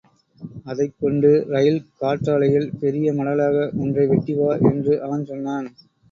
அதைக் கொண்டு ரயில் கற்றாழையில் பெரிய மடலாக ஒன்றை வெட்டி வா என்று அவன் சொன்னான்.